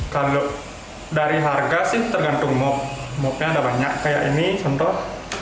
kalau dari harga sih tergantung mop mopnya ada banyak kayak ini contoh